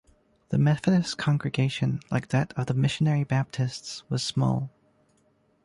The Methodist congregation, like that of the Missionary Baptists, was small.